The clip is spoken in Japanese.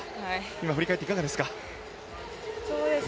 今、振り返っていかがですか？